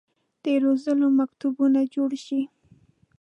د روزلو مکتبونه جوړ شي.